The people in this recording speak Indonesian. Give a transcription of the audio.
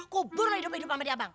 kubur lah hidup hidup sama dia bang